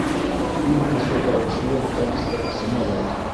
Иң көслө тауышлы транспорт — самолет.